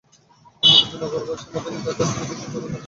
কিন্তু নগরবাসীর মধ্যে নির্ধারিত স্থানে পশু জবাই করার ব্যাপারে অনীহা ছিল।